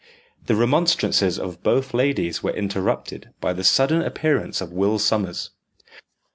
The remonstrances of both ladies were interrupted by the sudden appearance of Will Sommers.